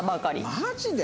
マジで？